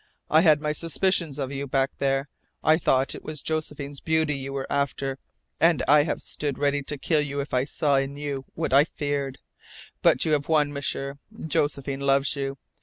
I had my suspicions of you back there. I thought it was Josephine's beauty you were after, and I have stood ready to kill you if I saw in you what I feared. But you have won, M'sieur. Josephine loves you.